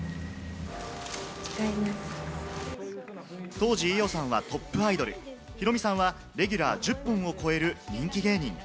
当時、伊代さんはトップアイドル、ヒロミさんはレギュラー１０本を超える人気芸人。